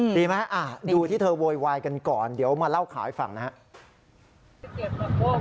ดีไหมดูที่เธอโวยวายกันก่อนเดี๋ยวมาเล่าข่าวให้ฟังนะครับ